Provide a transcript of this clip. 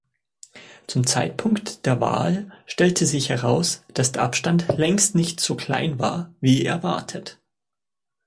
Zum Zeitpunkt der Wahl stellte sich heraus, dass der Abstand längst nicht so klein war, wie erwartet.